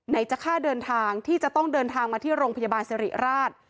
จะค่าเดินทางที่จะต้องเดินทางมาที่โรงพยาบาลสิริราช